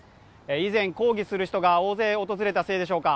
以前、抗議する人が大勢訪れたせいでしょうか。